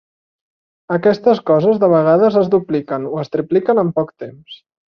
Aquestes coses de vegades es dupliquen o es tripliquen en poc temps.